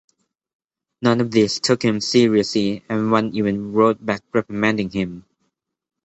None of these took him seriously and one even wrote back reprimanding him.